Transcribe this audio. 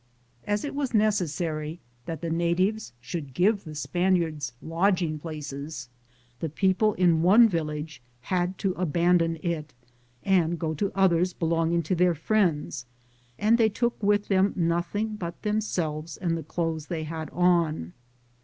As it was necessary that the natives should give the Spaniards lodging places, the people in one village had to abandon it and go to others belonging to their friends, and they took with them nothing but themselves and the clothes they had on.